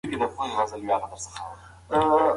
د مالدارۍ وده په مستقیم ډول د غوښې او شیدو په بیو اغېز لري.